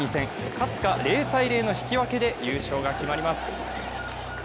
勝つか、０−０の引き分けで優勝が決まります。